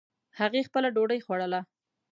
هغې خپله ډوډۍ خوړله